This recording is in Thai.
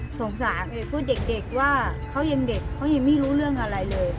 สงสารพวกเด็กว่าเขายังเด็กเขายังไม่รู้เรื่องอะไรเลย